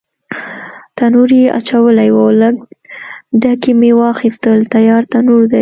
تنور یې اچولی و، لږ ډکي مې واخیستل، تیار تنور دی.